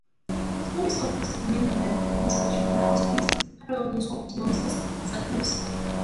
Stories of the dismemberment and resurrection of Osiris, parallel those of Dionysus Zagreus.